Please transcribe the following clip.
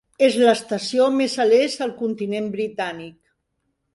És l'estació més a l'est al continent britànic.